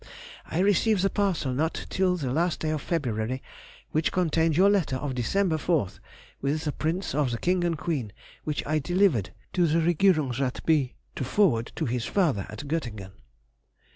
I received the parcel, not till the last day of February, which contained your letter of December 4th, with the prints of the King and Queen, which I delivered to the Regierungsrath B——, to forward to his father at Göttingen.